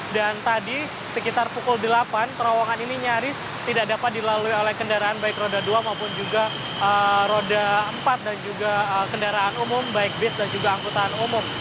dan tadi sekitar pukul delapan terowongan ini nyaris tidak dapat dilalui oleh kendaraan baik roda dua maupun juga roda empat dan juga kendaraan umum baik bis dan juga angkutan umum